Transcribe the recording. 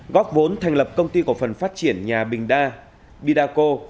góp vốn thành lập công ty cổ phần phát triển nhà bình đa bidaco